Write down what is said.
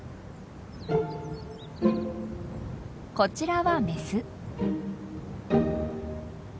こちらはメス。